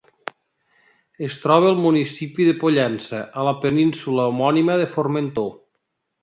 Es troba al municipi de Pollença, a la península homònima de Formentor.